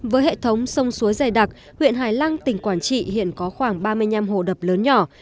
với hệ thống sông suối dày đặc huyện hải lăng tỉnh quảng trị hiện có khoảng ba mươi năm hồ đập lớn nhỏ